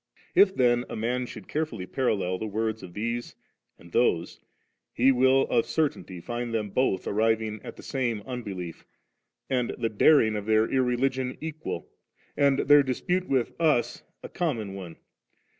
If then a man should carefully parallel the words of these and these, he will of a certainty find them both arriving at the same unbelief, and the daring of their irreligion equal, and their dispute with us a common one.